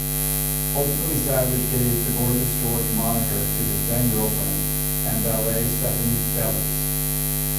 Ultimately, Savage gave the Gorgeous George moniker to his then-girlfriend and valet Stephanie Bellars.